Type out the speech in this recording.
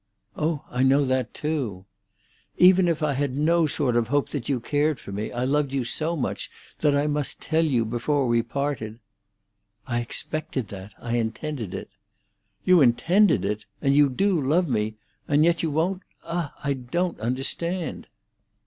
"Oh, I know that too." "Even if I had no sort of hope that you cared for me, I loved you so much that I must tell you before we parted—" "I expected that—I intended it." "You intended it! and you do love me! And yet you won't—Ah, I don't understand!"